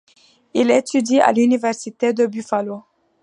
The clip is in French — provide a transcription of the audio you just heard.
Il étudie à l'Université de Buffalo.